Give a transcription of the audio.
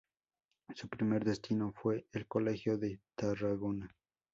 Su primer destino fue el colegio de Tarragona.